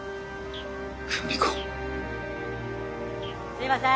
すいません！